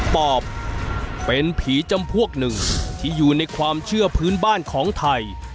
ปอบเป็นผีจำพวกหนึ่งที่อยู่ในความเชื่อพื้นบ้านของไทย